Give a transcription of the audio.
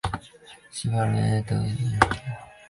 西梅尔斯多尔夫是德国巴伐利亚州的一个市镇。